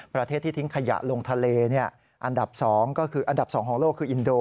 ประเทศที่ทิ้งขยะลงทะเลอันดับ๒ของโลกคืออินโด